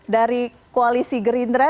dari koalisi gerindra